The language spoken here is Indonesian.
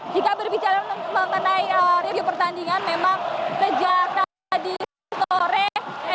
jika berbicara mengenai review pertandingan memang sejak tadi sore